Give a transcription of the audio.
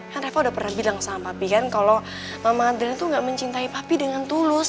kan revo udah pernah bilang sama papi kan kalau mama andrian itu gak mencintai papi dengan tulus